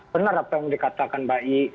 benar apa yang dikatakan mbak i